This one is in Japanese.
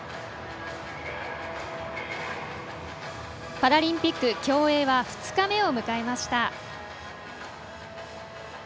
パラリンピック競泳は２日目を迎えました。